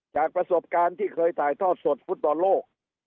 จากประสบการณ์ที่เคยถ่ายทอดสดฟุตบอลโลก